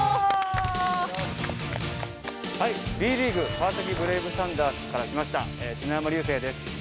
Ｂリーグ川崎ブレイブサンダースから来ました篠山竜青です。